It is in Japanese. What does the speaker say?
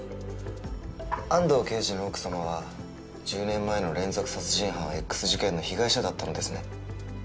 安堂刑事の奥様は１０年前の連続殺人犯Ｘ事件の被害者だったのですね。